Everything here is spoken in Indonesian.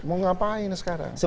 mau ngapain sekarang